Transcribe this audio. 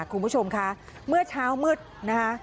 คุณผู้ชมค่ะเมื่อเช้ามืดนะคะ